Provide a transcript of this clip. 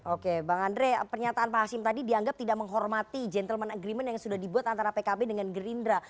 oke bang andre pernyataan pak hasim tadi dianggap tidak menghormati gentleman agreement yang sudah dibuat antara pkb dengan gerindra